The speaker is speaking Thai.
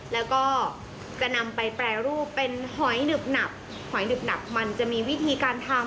แล้วก็จะนำไปแปรรูปเป็นหอยหนึบหนับหอยหึบหนับมันจะมีวิธีการทำ